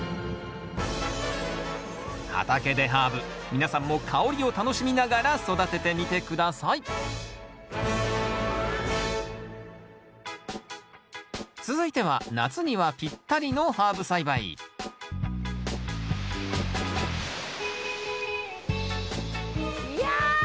皆さんも香りを楽しみながら育ててみて下さい続いては夏にはぴったりのハーブ栽培いや夏！